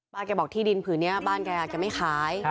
ป้าแกบอกที่ดินผืนนี้บ้านแกอาจจะไม่ขาย